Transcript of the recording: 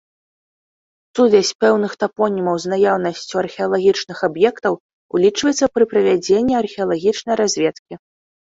Сувязь пэўных тапонімаў з наяўнасцю археалагічных аб'ектаў улічваецца пры правядзенні археалагічнай разведкі.